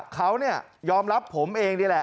เขายอมรับผมเองนี่แหละ